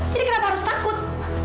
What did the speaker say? jadi kenapa harus takut